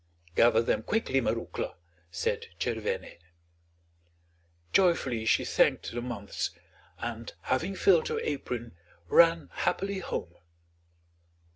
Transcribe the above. "Gather them quickly, Marouckla," said Tchervène. Joyfully she thanked the months, and having filled her apron ran happily home.